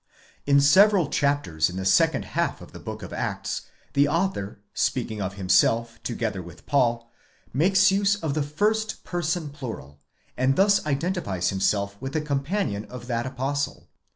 In several chapters in the second half of the Book of the Acts the author, speaking of himself together with Paul, makes use of the first person plural,® and thus identifies himself with the companion of that apostle.